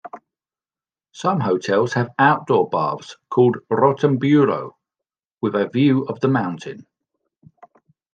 Some hotels have outdoor baths called rotenburo with a view of the mountain.